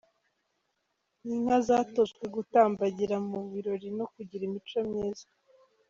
Ni inka zatojwe gutambagira mu birori no kugira imico myiza.